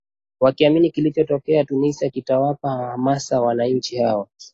wakiamini kilichotokea tunisia kitawapa hamasi wananchi hao